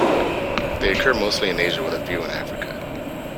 They occur mostly in Asia with a few in Africa.